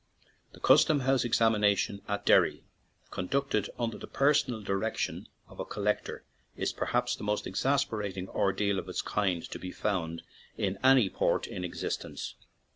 The custom house examination at Derry, con ducted under the personal direction of a collector, is perhaps the most exasperating ordeal of its kind to be found in any port in existence.